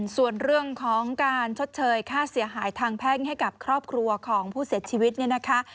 ส่วนเรื่องของการชดเชยค่าเสียหายทางแพ่งให้กับครอบครัวของผู้เสียชีวิตเนี่ยนะคะ